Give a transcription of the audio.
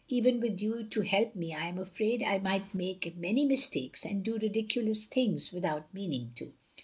Even with you to help me I am afraid I might make many mistakes and do ridiculous things without meaning to.